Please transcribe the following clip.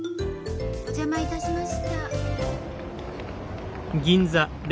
お邪魔いたしました。